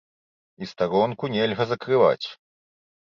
І старонку нельга закрываць.